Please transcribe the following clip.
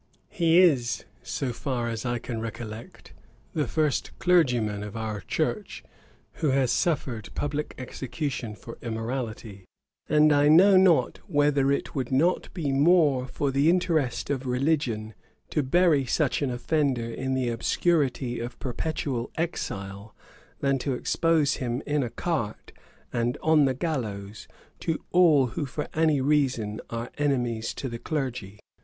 'He is, so far as I can recollect, the first clergyman of our church who has suffered publick execution for immorality; and I know not whether it would not be more for the interest of religion to bury such an offender in the obscurity of perpetual exile, than to expose him in a cart, and on the gallows, to all who for any reason are enemies to the clergy.